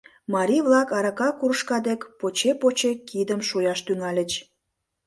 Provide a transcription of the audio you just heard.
Марий-влак арака кружка дек поче-поче кидым шуяш тӱҥальыч.